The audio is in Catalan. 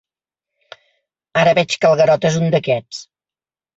Ara veig que el Garota és un d'aquests.